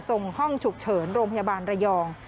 ส่งห้องฉุกเฉินโรงพยาบาลระยอง